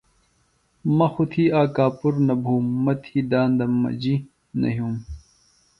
مہ خوۡ تھی آک کاپُر نہ بُھوم مہ تھی داندم مجیۡ نہ یُھوم